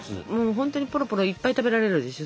ほんとにポロポロいっぱい食べられるでしょ？